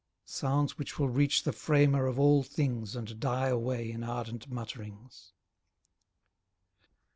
Sounds which will reach the Framer of all things, And die away in ardent mutterings.